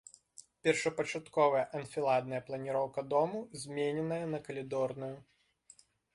Першапачатковая анфіладная планіроўка дому змененая на калідорную.